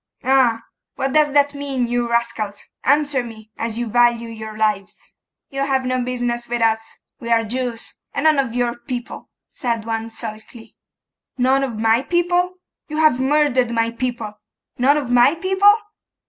'Ah! What does that mean, you rascals? Answer me, as you value your lives.' 'You have no business with us: we are Jews, and none of your people,' said one sulkily. 'None of my people? You have murdered my people! None of my people?